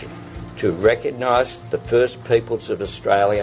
untuk mengenali rakyat pertama di australia